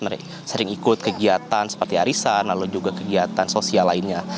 mereka sering ikut kegiatan seperti arisan lalu juga kegiatan sosial lainnya